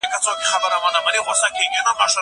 کېدای سي کالي ګنده وي!!